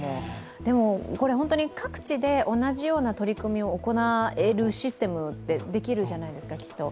でも、各地で同じような取り組みを行えるシステムでできるじゃないですか、きっと。